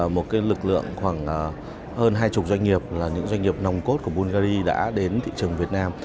một lực lượng khoảng hơn hai mươi doanh nghiệp doanh nghiệp nồng cốt của bungary đã đến thị trường việt nam